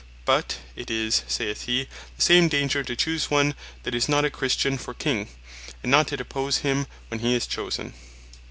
But, it is (saith hee) the same danger, to choose one that is not a Christian, for King, and not to depose him, when hee is chosen.